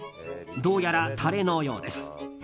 どうやらタレのようです。